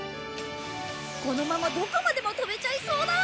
このままどこまでも飛べちゃいそうだ。